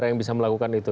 yang bisa melakukan itu